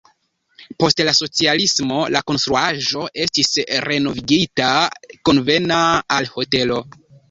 Post la socialismo la konstruaĵo estis renovigita konvena al hotelo.